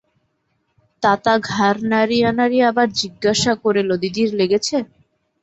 তাতা ঘাড় নাড়িয়া নাড়িয়া আবার জিজ্ঞাসা করিল, দিদির নেগেছে?